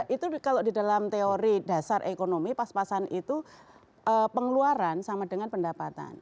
itu kalau di dalam teori dasar ekonomi pas pasan itu pengeluaran sama dengan pendapatan